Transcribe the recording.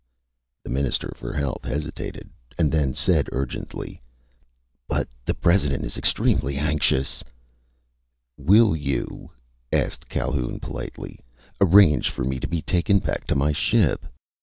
The Minister for Health hesitated, and then said urgently: "But the President is extremely anxious " "Will you," asked Calhoun politely, "arrange for me to be taken back to my ship?"